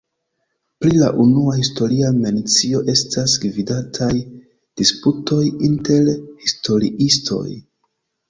Pri la unua historia mencio estas gvidataj disputoj inter historiistoj.